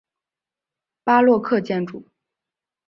巴洛克建筑。